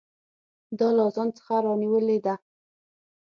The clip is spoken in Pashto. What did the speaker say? دا له اذان څخه رانیولې ده.